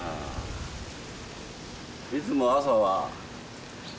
いつも朝は？